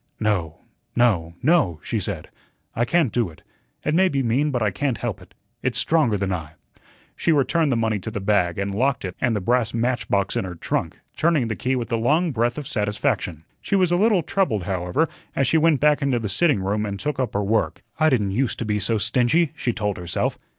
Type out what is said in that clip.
"No, no, no," she said. "I can't do it. It may be mean, but I can't help it. It's stronger than I." She returned the money to the bag and locked it and the brass match box in her trunk, turning the key with a long breath of satisfaction. She was a little troubled, however, as she went back into the sitting room and took up her work. "I didn't use to be so stingy," she told herself.